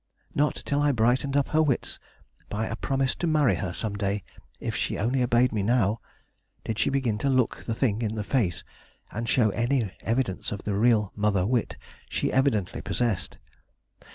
Not till I brightened up her wits by a promise to marry her some day if she only obeyed me now, did she begin to look the thing in the face and show any evidence of the real mother wit she evidently possessed.